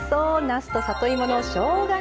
なすと里芋のしょうが